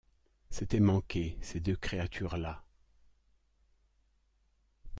C’était manqué, ces deux créatures-là.